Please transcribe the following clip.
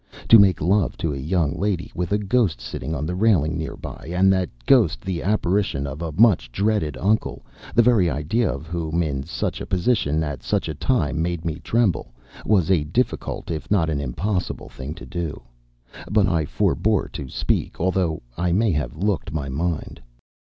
To make love to a young lady with a ghost sitting on the railing nearby, and that ghost the apparition of a much dreaded uncle, the very idea of whom in such a position and at such a time made me tremble, was a difficult, if not an impossible, thing to do; but I forbore to speak, although I may have looked my mind.